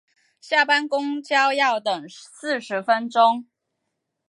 下班公车要等四十分钟